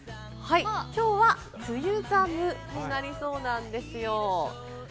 きょうは梅雨寒となりそうなんですよ。